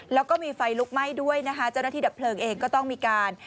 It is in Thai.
แล้วก็มีไฟลุกไหม้ด้วยนะคะเจ้าหน้าที่ดับเพลิงเองก็ต้องมีการ